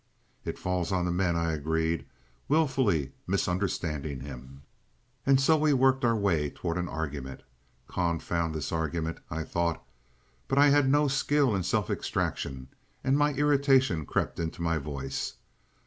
"It falls on the men," I agreed, wilfully misunderstanding him. And so we worked our way toward an argument. "Confound this argument!" I thought; but I had no skill in self extraction, and my irritation crept into my voice.